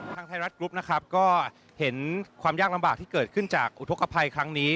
ไทยรัฐกรุ๊ปนะครับก็เห็นความยากลำบากที่เกิดขึ้นจากอุทธกภัยครั้งนี้